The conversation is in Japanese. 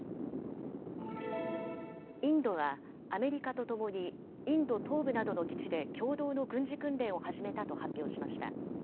インドはアメリカとともにインド東部などの基地で共同の軍事訓練を始めたと発表しました。